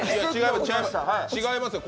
違いますよ